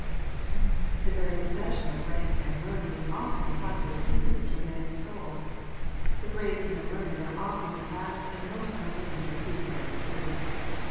The very possession of rauk and learning is often a positive hindrance to a man's soul. The great and the learned are often the last and most unwilling to receive Christ's truth.